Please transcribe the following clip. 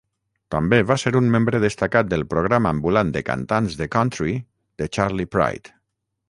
També va ser un membre destacat del programa ambulant de cantants de country de Charley Pride.